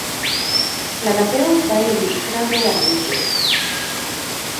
La Napeu va il·lustrar-ho amb un gest.